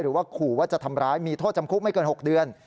หรือว่าขู่ว่าจะทำร้ายมีโทษจำคุกไม่เกิน๖เดือน